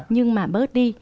nhưng mà bớt đi